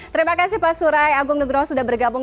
terima kasih pak surai agung nugroho sudah bergabung